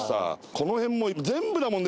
この辺も全部だもんね。